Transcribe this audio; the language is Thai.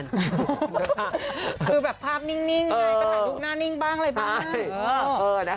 คือแบบภาพนิ่งไงก็ถ่ายรูปหน้านิ่งบ้างอะไรบ้าง